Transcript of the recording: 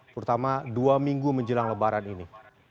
terutama dua minggu menjelang lebaran ini